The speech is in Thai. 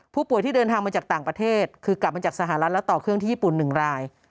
ผู้ป่วยที่เดินทางมาจากต่างประเทศคือกลับมาจากสหรัฐแล้วต่อเครื่องที่ญี่ปุ่น๑ราย